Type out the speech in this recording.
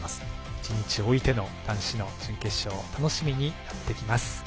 １日置いての男子の準決勝楽しみになってきます。